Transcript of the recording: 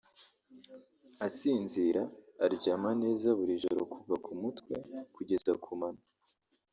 asinzira(aryama) neza buri joro kuva ku mutwe kugeza ku mano”